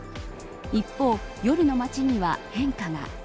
一方、夜の街には変化が。